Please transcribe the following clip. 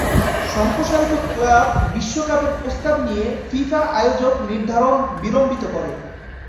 সম্প্রসারিত ক্লাব বিশ্বকাপের প্রস্তাব নিয়ে, ফিফা আয়োজক নির্ধারণ বিলম্বিত করে।